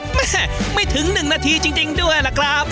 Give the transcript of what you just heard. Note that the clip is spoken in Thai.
แม่ไม่ถึง๑นาทีจริงด้วยล่ะครับ